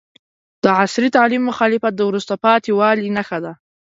د عصري تعلیم مخالفت د وروسته پاتې والي نښه ده.